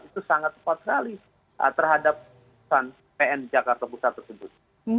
itu sangat patralis terhadap pn jakarta pusat tersebut